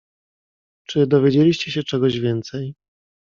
"Czy dowiedzieliście się czegoś więcej?"